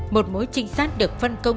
một mối trinh sát được phân công